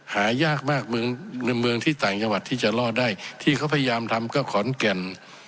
หายากมากเมืองในเมืองที่ต่างจังหวัดที่จะรอดได้ที่เขาพยายามทำก็ขอนแก่น